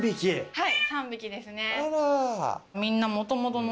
はい。